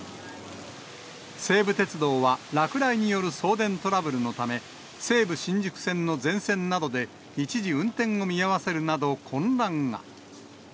西武鉄道は落雷による送電トラブルのため、西武新宿線の全線などで一時運転を見合わせるなど、混乱が。